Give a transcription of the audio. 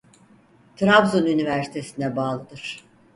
Trabzon Üniversitesine bağlıdır.